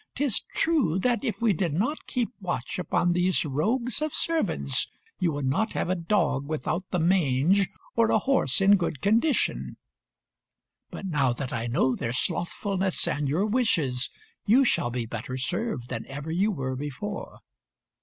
Tis true that if we did not keep watch upon these rogues of servants you would not have a dog without the mange or a horse in good condition; but, now that I know their slothfulness and your wishes, you shall be better served than ever you were before."